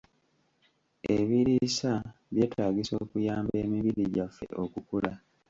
Ebiriisa byetaagisa okuyamba emibiri gyaffe okukula.